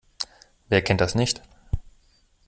Wer kennt das nicht?